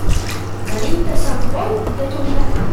Venim de Sant Boi de Llobregat.